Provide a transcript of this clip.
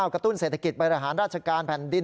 กระตุ้นเศรษฐกิจไปบริหารราชการแผ่นดิน